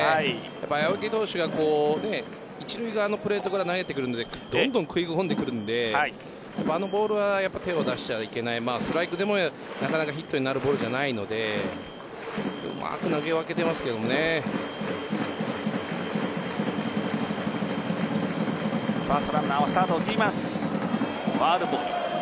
青柳投手は一塁側のプレートから投げてくるどんどん食い込んでくるのであのボールは手を出しちゃいけないストライクでもなかなかヒットになるボールじゃないのでファーストランナーはスタートを切ります。